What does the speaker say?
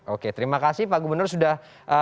oke terima kasih pak gubernur sudah